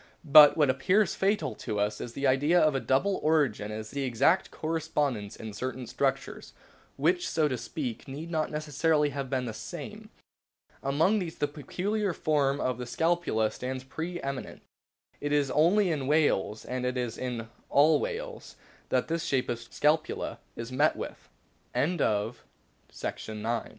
But what appears fatal to us to the idea of a double origin is the exact correspondence in certain structures, which, so to speak, need not necessarily have been the same. Among these the peculiar form of the scapula stands pre eminent. It is only in whales, and it is in all whales, that this shape of sc